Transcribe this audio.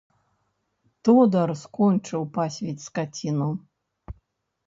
Тодар скончыў пасвіць скаціну.